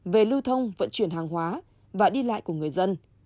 về lưu thông vận chuyển hàng hóa và đi lại của người dân